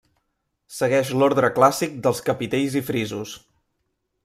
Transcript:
Segueix l’ordre clàssic dels capitells i frisos.